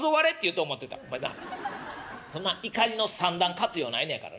「お前なそんな怒りの三段活用ないのやからな。